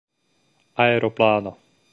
aeroplano